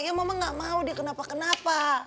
ya mama gak mau dia kenapa kenapa